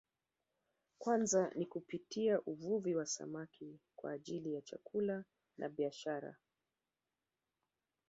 Kwanza ni kupitia uvuvi wa samaki kwa ajili ya chakula na biashara